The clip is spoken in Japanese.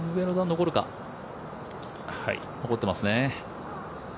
残ってますね。